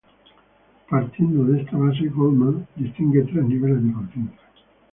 Partiendo de esta base, Goldmann distingue tres niveles de conciencia.